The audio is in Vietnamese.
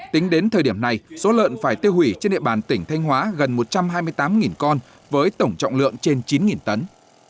tính đến thời điểm này số lợn phải tiêu hủy trên địa bàn tỉnh thanh hóa gần một trăm hai mươi tám con với tổng trọng lượng trên chín tấn